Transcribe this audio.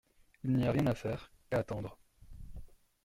Il n’y a rien à faire, qu’à attendre.